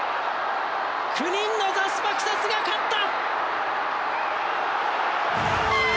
９人のザスパ草津が勝った！